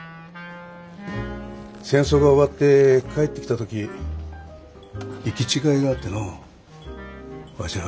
戦争が終わって帰ってきた時行き違いがあってのう。